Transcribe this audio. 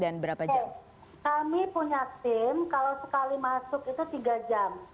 ya kami punya tim kalau sekali masuk itu tiga jam